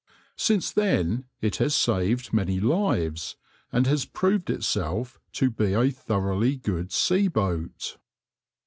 Since then it has saved many lives, and has proved itself to be a thoroughly good sea boat.